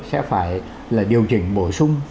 sẽ phải là điều chỉnh bổ sung